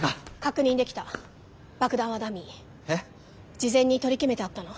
事前に取り決めてあったの。